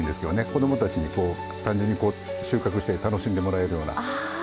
子どもたちに単純に収穫して楽しんでもらえるような。